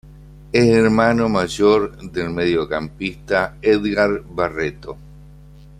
Es hermano mayor del mediocampista Edgar Barreto.